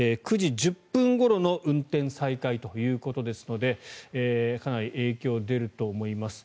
９時１０分ごろの運転再開ということですのでかなり影響出ると思います。